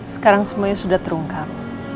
sekarang semuanya sudah terungkap